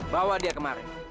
bawa dia kemaren